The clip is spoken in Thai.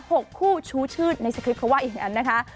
หกคู่ชู้ชื่นในสคริปเขาว่าอย่างนั้นนะคะ